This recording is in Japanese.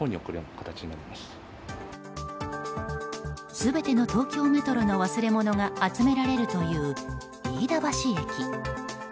全ての東京メトロの忘れ物が集められるという飯田橋駅。